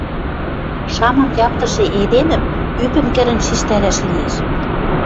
Шамым ямдышы эдемӹм ӱпӹм кӹрӹн шижтӓрӓш лиэш.